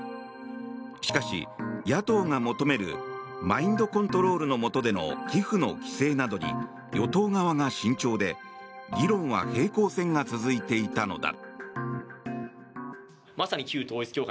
しかし、野党が求めるマインドコントロールのもとでの寄付の規制などに与党側が慎重で議論は平行線が続いていたのだ。